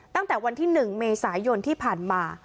ตั้งแต่วันที่๑เมษายนที่ผ่านมา